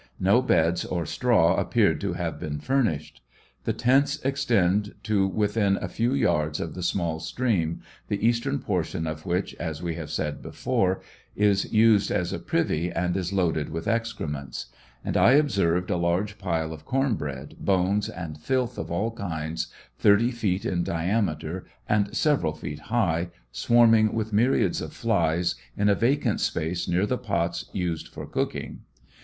No beds or straw appeared to have been furnished. The tents extend to within a few yards of the small stream, the east ern portion of which, as we have before said, is used as a privy and is loaded with excrements; and I observed a large pile of corn bread, bones, and filth of all kinds, thirty feet in diameter and several feet high, swarming with myriads of flies, in a vacant space near the pots used for cooking.